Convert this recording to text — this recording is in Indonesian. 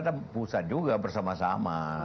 dan pusat juga bersama sama